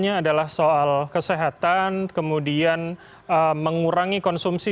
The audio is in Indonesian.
ini adalah soal kesehatan kemudian mengurangi konsumsi